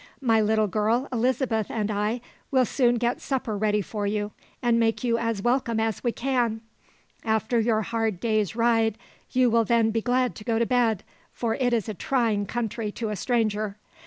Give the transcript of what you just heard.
My little girl Elizabeth and I will soon get supper ready for you, and make you as welcome as we can. After your hard day's ride you will then be glad to go to bed, for it is a trying country to a stranger.